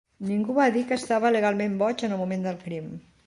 Ningú va dir que estava legalment boig en el moment del crim.